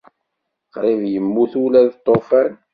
Qrib yemmut ula d lṭufan.